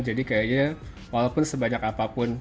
jadi kayaknya walaupun sebanyak apapun